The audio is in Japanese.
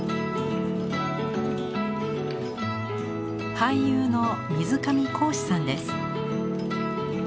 俳優の水上恒司さんです。